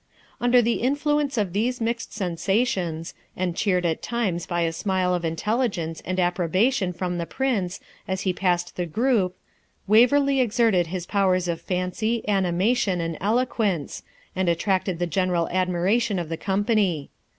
Under the influence of these mixed sensations, and cheered at times by a smile of intelligence and approbation from the Prince as he passed the group, Waverley exerted his powers of fancy, animation, and eloquence, and attracted the general admiration of the company.